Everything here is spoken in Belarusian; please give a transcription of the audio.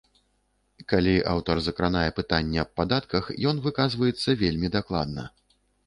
Калі аўтар закранае пытанне аб падатках, ён выказваецца вельмі дакладна.